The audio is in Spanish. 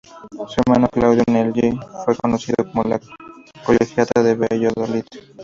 Su hermano Claudio Nelli fue canónigo de la Colegiata de Valladolid.